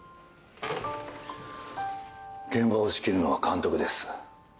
現場を仕切るのは監督です。